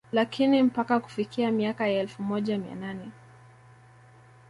Lakini mpaka kufikia miaka ya elfu moja mia nane